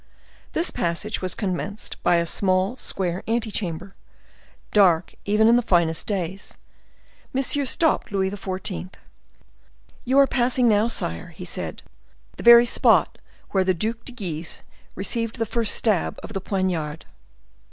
This passage was commenced by a small square ante chamber, dark even in the finest days. Monsieur stopped Louis XIV. "You are passing now, sire," said he, "the very spot where the Duc de Guise received the first stab of the poniard."